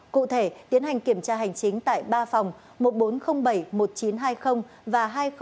cụ thể tiến hành kiểm tra hành chính tại ba phòng một bốn không bảy một chín hai không và hai nghìn một